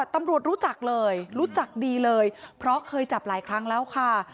ตำรวจรู้จักเลยรู้จักดีเลยเพราะเคยจับหลายครั้งแล้วค่ะ